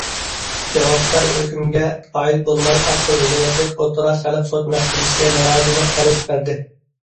جاۋابكار ھۆكۈمگە قايىل بولماي ئاقسۇ ۋىلايەتلىك ئوتتۇرا خەلق سوت مەھكىمىسىگە نارازىلىق ئەرزى بەردى.